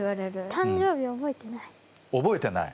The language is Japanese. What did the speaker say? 誕生日覚えてない。